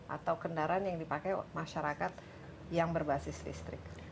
atau kendaraan yang dipakai masyarakat yang berbasis listrik